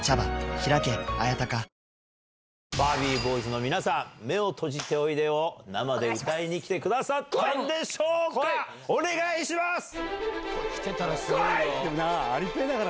ＢＡＲＢＥＥＢＯＹＳの皆さん、目を閉じておいでよを生で歌いに来てくださったんでしょうか。